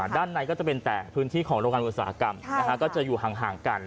ด้านในก็จะเป็นแต่พื้นที่ของโรงงานอุตสาหกรรมก็จะอยู่ห่างกัน